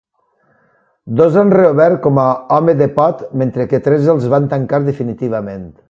Dos han reobert com a "Home Depot", mentre que tres els van tancar definitivament.